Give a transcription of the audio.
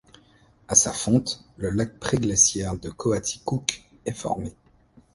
À sa fonte, le lac préglaciaire de Coaticook est formé.